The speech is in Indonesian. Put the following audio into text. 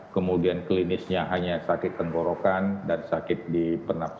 kemudian klinisnya hanya sakit penborokan dan sakit di penampungan